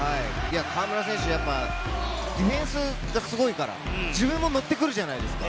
河村選手、やっぱディフェンスがすごいから、自分も乗ってくるんじゃないですか。